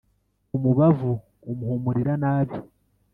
Umubavu umuhumurira nabi.